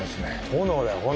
炎だよ炎。